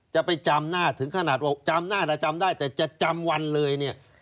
จะไปจำหน้าถึงขนาดว่าจำหน้าแต่จำได้แต่จะจำวันเลยเนี่ย